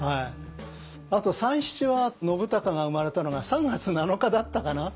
あと「三七」は信孝が生まれたのが３月７日だったかな？